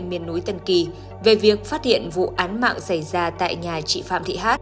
miền núi tân kỳ về việc phát hiện vụ án mạng xảy ra tại nhà chị phạm thị hát